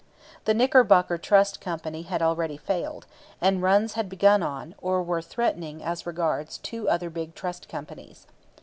The Knickerbocker Trust Company had already failed, and runs had begun on, or were threatened as regards, two other big trust companies.